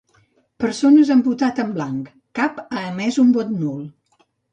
Persones han votat en blanc, cap ha emès un vot nul.